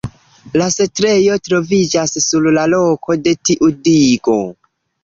La setlejo troviĝas sur la loko de tiu digo.